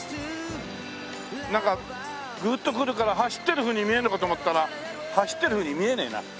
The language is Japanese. なんかグッと来るから走ってるふうに見えるのかと思ったら走ってるふうに見えねえな。